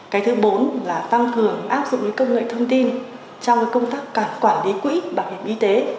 cái thứ bốn là tăng cường áp dụng công nghệ thông tin trong công tác quản lý quỹ bảo hiểm y tế